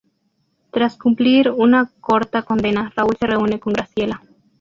Tras cumplir una corta condena, Raúl se reúne con Graciela.